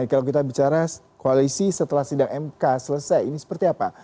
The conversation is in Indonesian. kalau kita bicara koalisi setelah sidang mk selesai ini seperti apa